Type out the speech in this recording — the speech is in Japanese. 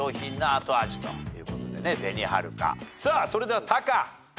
それではタカ。